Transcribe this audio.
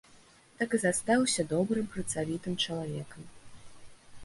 Так і застаўся добрым працавітым чалавекам.